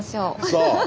そう。